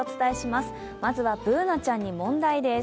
まずはＢｏｏｎａちゃんに問題です。